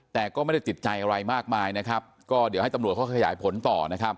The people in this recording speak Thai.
แต่ก็ไม่ได้ติดใจอะไรมากมายนะครับก็เดี๋ยวให้ตำรวจเขาขยายผลต่อนะครับ